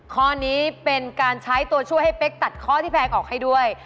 ข้อนี้เป็นการใช้ตัวช่วยให้เป๊กตัดข้อที่แพงออกให้ด้วย